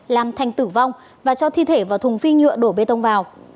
làm thành tử vong và cho thi thể vào thùng phi nhựa đổ bê tông vào